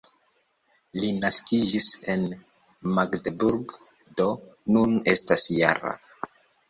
Li naskiĝis en Magdeburg, do nun estas -jara.